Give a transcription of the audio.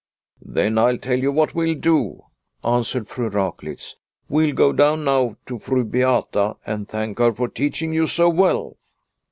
"Then I'll tell you what we'll do," an swered Fru Raklitz. " We'll go down now to Fru Beata and thank her for teaching you so well."